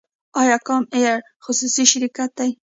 آیا کام ایر خصوصي شرکت دی؟